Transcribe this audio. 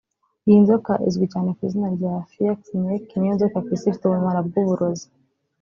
Iyi nzoka izwi cyane ku izina rya “Fierce snake” ni yo nzoka ku isi ifite ubumara bw’uburozi